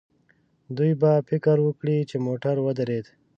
دوی به فکر وکړي چې موټر ودرېد.